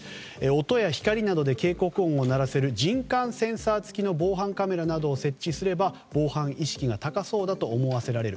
音や光などで警告音を鳴らせる人感センサー付きの防犯カメラなどを設置すれば防犯意識が高そうだと思わせられる。